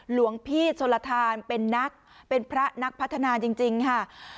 หลวงพี่ชนลทานเป็นนักเป็นพระนักพัฒนาจริงค่ะ